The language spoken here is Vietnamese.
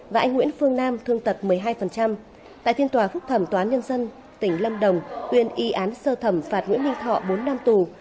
và anh nguyễn phương nam thương tật một mươi hai tại phiên tòa phúc thẩm tòa án nhân dân tỉnh lâm đồng tuyên y án sơ thẩm phạt nguyễn minh thọ bốn năm tù